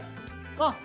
あっ！